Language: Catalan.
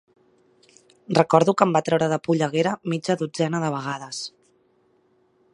Recordo que em va treure de polleguera mitja dotzena de vegades.